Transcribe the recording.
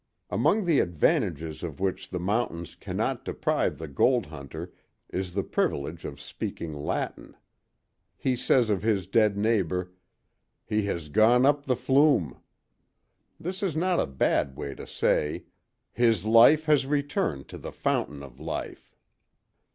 Among the advantages of which the mountains cannot deprive the gold hunter is the privilege of speaking Latin. He says of his dead neighbor, "He has gone up the flume." This is not a bad way to say, "His life has returned to the Fountain of Life."